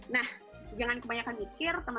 nah jangan kebanyakan mikir